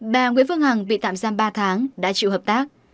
bà nguyễn phương hằng bị tạm giam ba tháng đã chịu hợp tác